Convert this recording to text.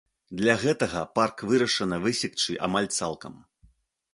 Для гэтага парк вырашана высекчы амаль цалкам.